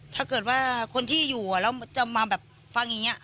ถ้าเกิดว่าคนที่อยู่แล้วจะมาแบบฟังอย่างนี้